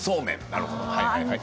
なるほど。